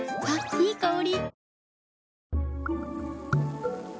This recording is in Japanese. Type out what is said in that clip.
いい香り。